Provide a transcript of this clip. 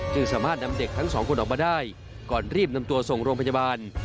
สามารถนำเด็กทั้งสองคนออกมาได้ก่อนรีบนำตัวส่งโรงพยาบาล